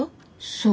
そう。